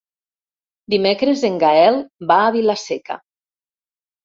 Dimecres en Gaël va a Vila-seca.